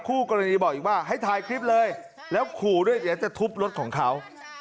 คู่กรณีบอกอีกว่าให้ถ่ายคลิปเลยแล้วขู่ด้วยเดี๋ยวจะทุบรถของเขา